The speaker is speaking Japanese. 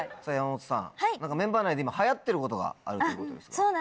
山本さんメンバー内で今流行ってることがあると。